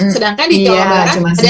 sedangkan di jawa barat